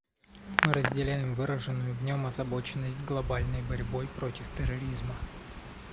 Мы разделяем выраженную в нем озабоченность глобальной борьбой против терроризма.